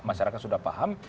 masyarakat sudah paham